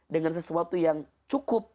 dengan sesuatu yang cukup